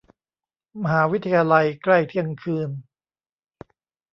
มหาวิทยาลัย ใกล้เที่ยงคืน